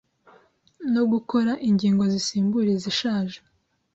no gukora ingingo zisimbura izishaje